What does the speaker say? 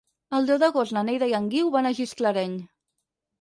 El deu d'agost na Neida i en Guiu van a Gisclareny.